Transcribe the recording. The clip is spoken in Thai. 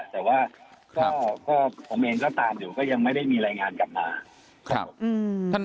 แต่ผมเองก็ตามอยู่ไม่ได้มีรายงานกลับมา